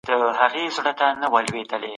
ځکه خو ورسره مینه لرو.